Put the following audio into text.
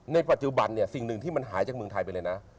ในปัจจุบันเนี่ยสิ่งหนึ่งที่มันหายจากเมืองไทยไปเลยนะ